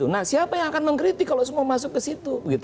nah siapa yang akan mengkritik kalau semua masuk ke situ